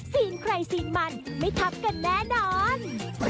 ซีนใครซีนมันไม่ทับกันแน่นอน